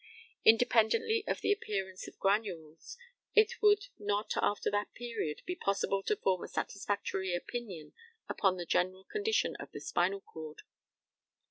Independently of the appearance of granules, it would not after that period be possible to form a satisfactory opinion upon the general condition of the spinal cord.